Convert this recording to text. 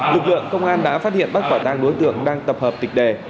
lực lượng công an đã phát hiện bắt quả tang đối tượng đang tập hợp tịch đề